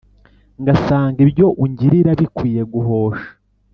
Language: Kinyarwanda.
Ngasanga ibyo ungiriraBikwiye guhosha